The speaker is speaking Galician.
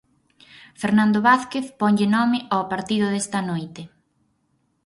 Fernando Vázquez ponlle nome ao partido desta noite...